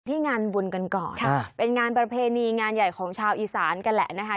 งานบุญกันก่อนค่ะเป็นงานประเพณีงานใหญ่ของชาวอีสานกันแหละนะคะ